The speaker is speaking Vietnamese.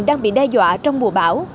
đang bị đe dọa trong mùa bão